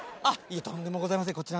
あっいえとんでもございません。